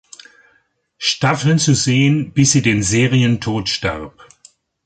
Staffel zu sehen, bis sie den Serientod starb.